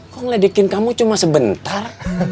kok ngeledikin kamu cuma sebentar